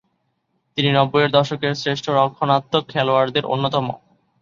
তিনি নব্বইয়ের দশকের শ্রেষ্ঠ রক্ষণাত্মক খেলোয়াড়দের অন্যতম।